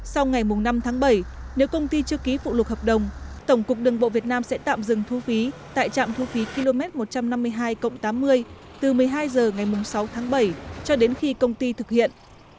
sau ngày năm tháng bảy nếu công ty chưa ký phụ lục hợp đồng tổng cục đường bộ việt nam sẽ tạm dừng thu phí tại trạm thu phí km một trăm năm mươi hai tám mươi từ một mươi hai h ngày sáu tháng bảy cho đến khi công ty thực hiện